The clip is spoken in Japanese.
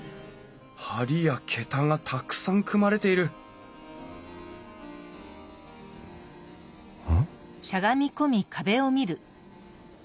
梁や桁がたくさん組まれているうん？